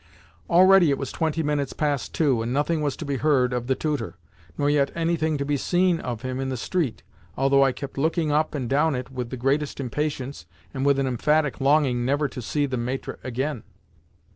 Already it was twenty minutes past two, and nothing was to be heard of the tutor, nor yet anything to be seen of him in the street, although I kept looking up and down it with the greatest impatience and with an emphatic longing never to see the maître again.